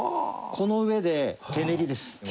この上で手練りです。